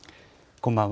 こんばんは。